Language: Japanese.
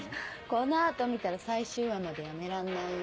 この後見たら最終話までやめらんないよ。